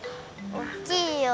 おっきいよ！